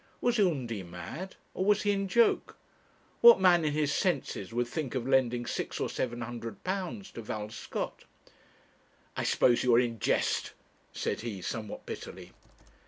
Was Undy mad, or was he in joke? What man in his senses would think of lending six or seven hundred pounds to Val Scott! 'I suppose you are in jest,' said he, somewhat bitterly.